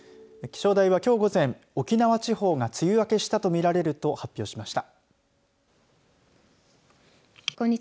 気象台は、きょう午前沖縄地方が梅雨明けしたとみられると発表しました。